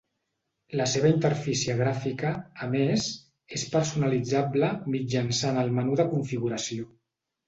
La seva interfície gràfica, a més, és personalitzable mitjançant el menú de configuració.